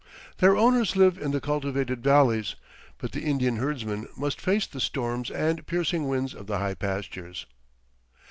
Their owners live in the cultivated valleys, but the Indian herdsmen must face the storms and piercing winds of the high pastures.